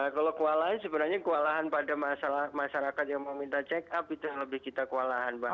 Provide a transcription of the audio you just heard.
kalau kewalahan sebenarnya kewalahan pada masyarakat yang mau minta check up itu yang lebih kita kewalahan pak